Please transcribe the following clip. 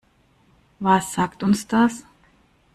Was sagt uns das?